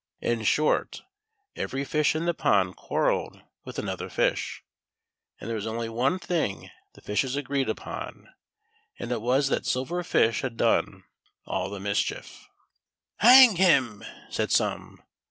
In short, every fish in the pond quarrelled with another fish, and there was only one thing the fishes agreed upon, and it was that Silver Fish had done all the mischief. "Hang him!" said some.